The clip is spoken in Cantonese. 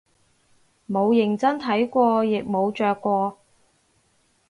冇認真睇過亦冇着過